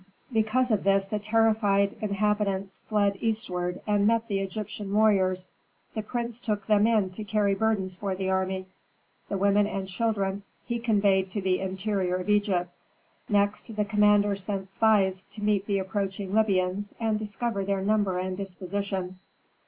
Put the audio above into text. Because of this the terrified inhabitants fled eastward and met the Egyptian warriors. The prince took them in to carry burdens for the army, the women and children he conveyed to the interior of Egypt. Next the commander sent spies to meet the approaching Libyans and discover their number and disposition.